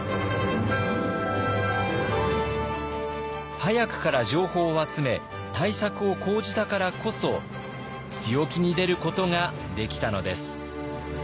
早くから情報を集め対策を講じたからこそ強気に出ることができたのです。